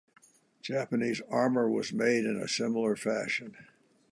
Japanese armor was made in a similar fashion.